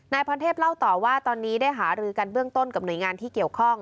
พรเทพเล่าต่อว่าตอนนี้ได้หารือกันเบื้องต้นกับหน่วยงานที่เกี่ยวข้อง